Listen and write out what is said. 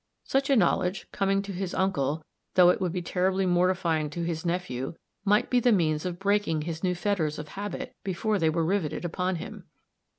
Such a knowledge, coming to his uncle, though it would be terribly mortifying to his nephew, might be the means of breaking his new fetters of habit before they were riveted upon him.